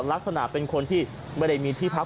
ลักษณะเป็นคนที่ไม่ได้มีที่พัก